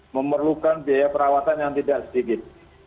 memerlukan biaya perawatan yang tidak sedikit